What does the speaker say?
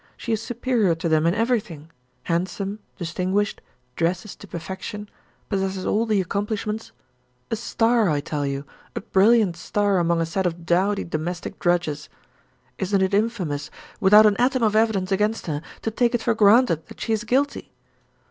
She is superior to them in everything; handsome, distinguished, dresses to perfection, possesses all the accomplishments a star, I tell you, a brilliant star among a set of dowdy domestic drudges. Isn't it infamous, without an atom of evidence against her, to take it for granted that she is guilty?